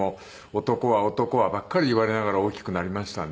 「男は男は」ばっかり言われながら大きくなりましたね。